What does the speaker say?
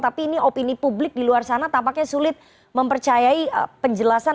tapi ini opini publik di luar sana tampaknya sulit mempercayai penjelasan